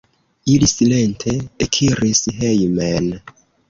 Ili silente ekiris hejmen.